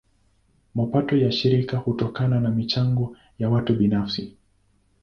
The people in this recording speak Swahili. Mapato ya shirika hutokana na michango ya watu binafsi.